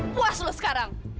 puas lu sekarang